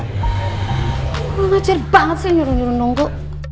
ngajar banget sih nyuruh nyuruh nunggu